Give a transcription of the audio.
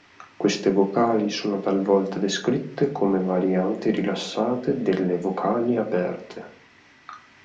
Queste vocali sono talvolta descritte come varianti rilassate delle vocali aperte.